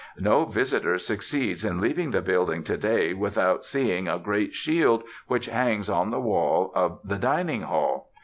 No visitor succeeds in leaving the building to day without seeing a great shield which hangs on the wall of the dining hall.